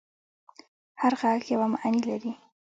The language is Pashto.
هر غږ یوه معنی لري.